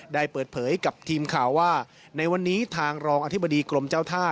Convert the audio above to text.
ได้เปิดเผยกับทีมข่าวว่าในวันนี้ทางรองอธิบดีกรมเจ้าท่า